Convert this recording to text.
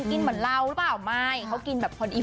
กินเหมือนเราหรือเปล่าไม่เขากินแบบพอดี